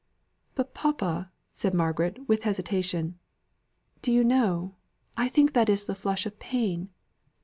"But papa," said Margaret, with hesitation, "do you know I think that is the flush of pain."